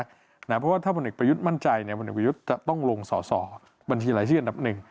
เพราะว่าถ้าพลเอกประยุทธ์มั่นใจพลเอกประยุทธ์จะต้องลงสอสอบัญชีรายชื่ออันดับหนึ่ง